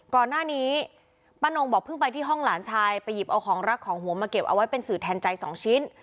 ก่อนหน้านี้ป้านงบอกเพิ่งไปที่ห้องหลานชายไปหยิบเอาของรักของหัวมาเก็บเอาไว้เป็นสื่อแทนใจสองชิ้น